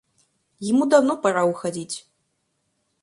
Ему давно пора уходить.